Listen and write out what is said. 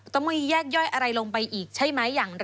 ต้องแยกย่อยอะไรลงไปอีกใช่ไหมอย่างไร